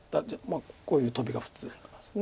まあこういうトビが普通です。